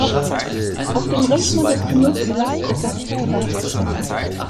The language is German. Auf dem Rechner des Benutzers wird der Server gestartet.